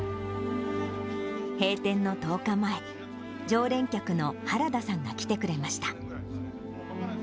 閉店の１０日前、常連客の原田さんが来てくれました。